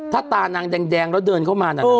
ถ้าตานางแดงแล้วเดินเข้ามาน่ะ